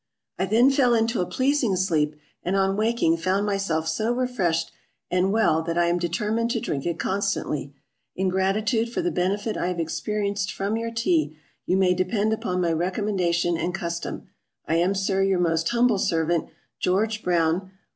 I then fell into a pleasing sleep, and on waking found myself so refreshed and well, that I am determined to drink it constantly. In gratitude for the benefit I have experienced from your Tea, you may depend upon my recommendation and custom. I am, SIR, your most humble servant, GEORGE BROWN.